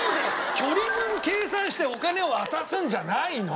距離分計算してお金を渡すんじゃないの。